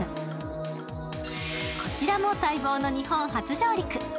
こちらも待望の日本初上陸。